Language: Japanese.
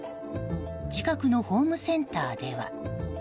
近くのホームセンターでは。